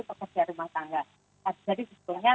pekerja rumah tangga jadi sebetulnya